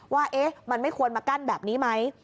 ว่ามันไม่ควรมากั้นแบบนี้ไหม